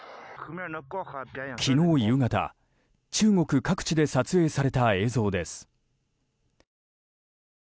昨日夕方、中国各地で撮影された映像です。